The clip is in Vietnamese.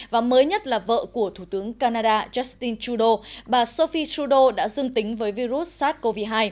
và mới nhất là vợ của thủ tướng canada justin trudeau bà sophie trudeau đã dương tính với virus sars cov hai